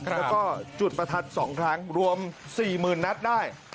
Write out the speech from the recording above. แล้วก็จุดประทัด๒ครั้งรวม๔๐๐๐นัดได้